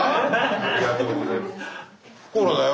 ありがとうございます。